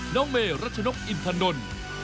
น้องเมรัชนกอินทนนท์